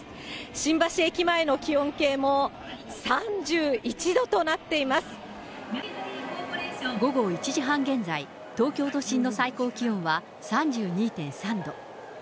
新橋駅前の気温計も、３１度とな午後１時半現在、東京都心の最高気温は３２．３度。